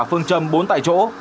phương châm bốn tại chỗ